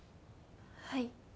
はい。